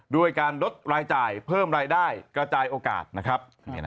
ด้วยการลดรายจ่ายเพิ่มรายได้กระจายโอกาสนะครับ